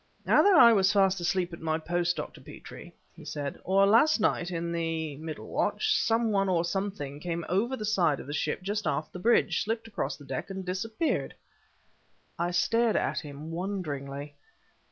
"Either I was fast asleep at my post, Dr. Petrie," he said, "or last night, in the middle watch, some one or something came over the side of the ship just aft the bridge, slipped across the deck, and disappeared." I stared at him wonderingly.